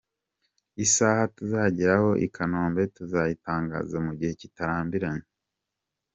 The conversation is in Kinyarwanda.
Isaha tuzagereraho i Kanombe tuzayitangaza mu gihe kitarambiranye.